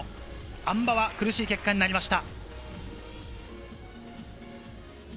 あん馬は苦しい結果になりました。